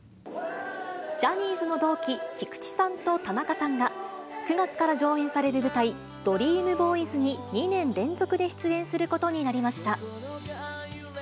ジャニーズの同期、菊池さんと田中さんが、９月から上演される舞台、ＤＲＥＡＭＢＯＹＳに２年連続で出演することになりました。